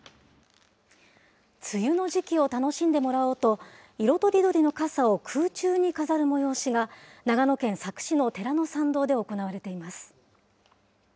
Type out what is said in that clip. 梅雨の時期を楽しんでもらおうと、色とりどりの傘を空中に飾る催しが、長野県佐久市の寺の参道で行われています。